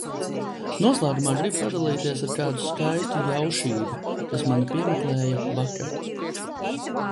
Noslēgumā gribu padalīties ar kādu skaistu jaušību, kas mani piemeklēja vakar.